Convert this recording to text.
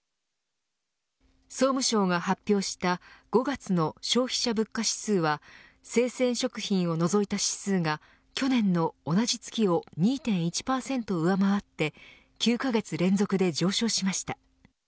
総務省が発表した５月の消費者物価指数は生鮮食品を除いた指数が去年の同じ月を２．１％上回って９カ月連続で上昇しました。